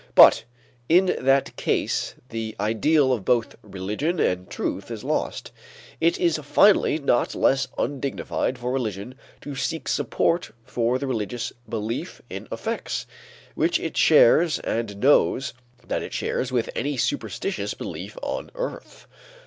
But in that case the ideal of both religion and truth is lost. It is finally not less undignified for religion to seek support for the religious belief in effects which it shares and knows that it shares with any superstitious belief on earth.